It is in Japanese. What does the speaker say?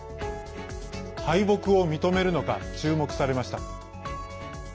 敗北を認めるのか注目されました。